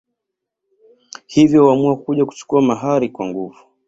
Hivyo huamua kuja kuchukua mahari kwa nguvu